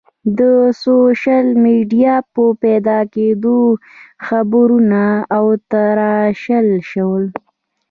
د سوشل میډیا په پیدا کېدو خبرونه وتراشل شول.